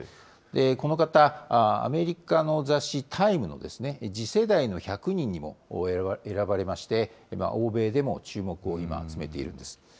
この方、アメリカの雑誌、タイムの次世代の１００人の人にも今、欧米でも注目を集めているんです。